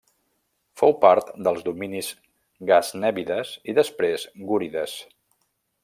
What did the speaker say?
Fou part dels dominis gaznèvides i després gúrides.